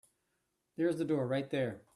There's the door right there.